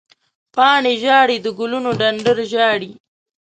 پاڼې ژاړې، د ګلونو ډنډر ژاړې